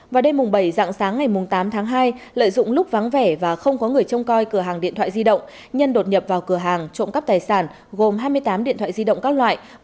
vào đêm bảy dạng sáng ngày tám tháng hai lợi dụng lúc vắng vẻ và không có người trông coi cửa hàng điện thoại di động nhân đột nhập vào cửa hàng trộm cắp tài sản gồm hai mươi tám điện thoại di động các loại